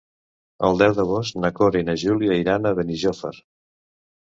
El deu d'agost na Cora i na Júlia iran a Benijòfar.